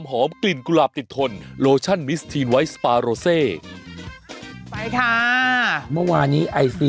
เมื่อวานนี้ไอซี